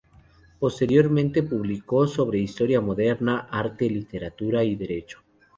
Posteriormente publicó sobre historia moderna, arte, literatura y derecho.